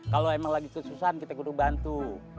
kalo emang lagi kesusahan kita kena bantu